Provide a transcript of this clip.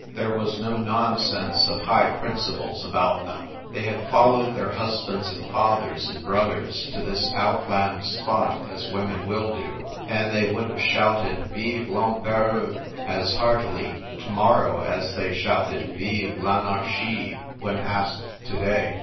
There was no nonsense of high principles about them : they had followed their husbands and fathers and brothers to this outland spot as women will do ; and they would have shouted "Vive I'Empereur" as heartily to morrow as they shouted " Vive I'Anarchie " when asked to day.